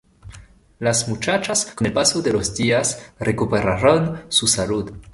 Las muchachas, con el paso de los días, recuperaron su salud.